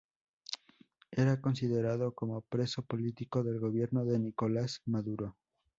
Era considerado como preso político del gobierno de Nicolás Maduro.